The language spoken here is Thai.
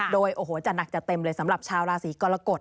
โดยโอ้โหจะหนักจะเต็มเลยสำหรับชาวราศีกรกฎ